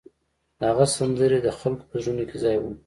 د هغه سندرې د خلکو په زړونو کې ځای ونیو